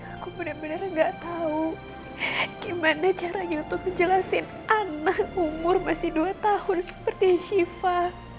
aku benar benar gak tau gimana caranya untuk ngejelasin anak umur masih dua tahun seperti shiva